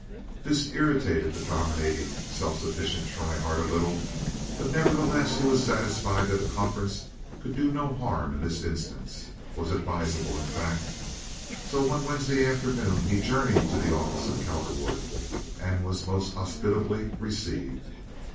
This irritated the dominating, self sufficient Schryhart a little, but nevertheless he was satisfied that a conference could do no harm in this instance—was advisable, in fact. So one Wednesday afternoon he journeyed to the office of Cowperwood, and was most hospitably received.